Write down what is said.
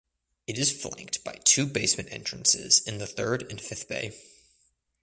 It is flanked by two basement entrances in the third and fifth bay.